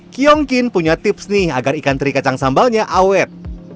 kiongkin punya tips nih agar ikan teri kacang sambalnya awet